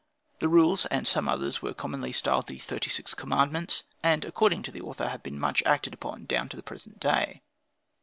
The rules, with some others, were commonly styled "the thirty six commandments," and, according to the author, have been much acted upon down to the present day.